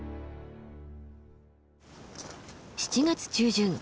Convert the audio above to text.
７月中旬。